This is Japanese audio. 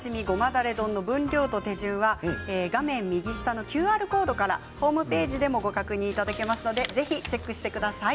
だれ丼の分量と手順は画面右下のＱＲコードからホームページでもご確認いただけますのでぜひチェックしてください。